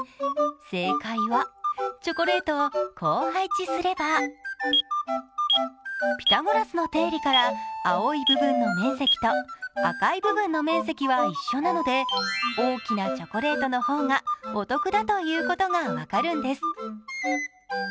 正解は、チョコレートをこう配置すればピタゴラスの定理から、青い部分の面積と赤い部分の面積は一緒なので大きなチョコレートの方がお得だということが分かるんです。